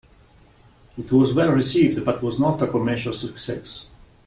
It was well received but was not a commercial success.